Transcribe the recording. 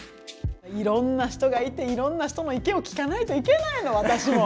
いろんな人がいていろんな人の意見を聞かないといけないの、私も。